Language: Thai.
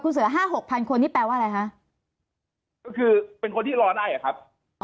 ก็คือเป็นคนที่รอได้ครับ